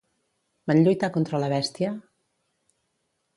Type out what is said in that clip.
Van lluitar contra la bèstia?